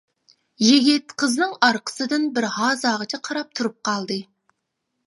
يىگىت قىزنىڭ ئارقىسىدىن بىر ھازاغىچە قاراپ تۇرۇپ قالدى.